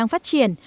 đang phát triển